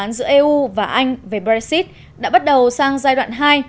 đàm phán giữa eu và anh về brexit đã bắt đầu sang giai đoạn hai